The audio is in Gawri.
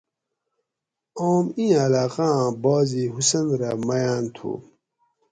آم اِین علاقاۤں بعضی حسن رہ مۤیاۤن تھو